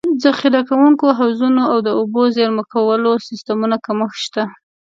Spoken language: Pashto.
ذخیره کوونکو حوضونو او د اوبو د زېرمه کولو سیستمونو کمښت شته.